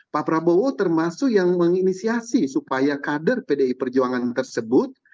pak prabowo termasuk yang menginisiasi supaya kader pdi perjuangan tersebut